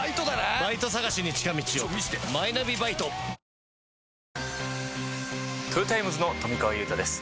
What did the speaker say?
新しくなったトヨタイムズの富川悠太です